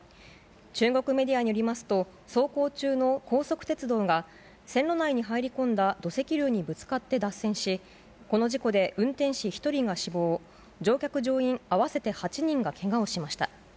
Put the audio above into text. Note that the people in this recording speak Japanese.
中国メディアによりますと、走行中の高速鉄道が線路内に入り込んだ土石流にぶつかって脱線し、この事故で運転士１人が死亡、乗客・乗員合わせて８人がけがをしました。